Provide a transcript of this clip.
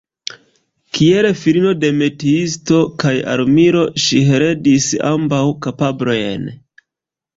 Kiel filino de "metiisto" kaj "armilo" ŝi heredis ambaŭ kapablojn.